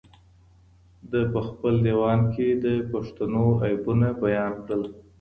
ده په خپل ديوان کې د پښتنو عیبونه بيان کړل.